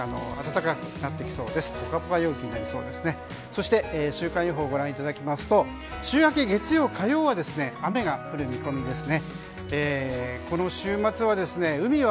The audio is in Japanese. そして週間予報をご覧いただきますと週明けの月曜、火曜は雨が降る見込みです。